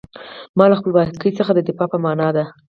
دا له خپلواکۍ څخه د دفاع په معنی دی.